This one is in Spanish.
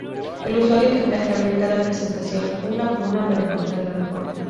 El usuario tendrá que abrir cada presentación, una por una para encontrar la mejor.